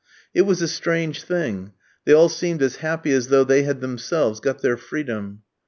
It was a strange thing: they all seemed as happy as though they had themselves got their freedom.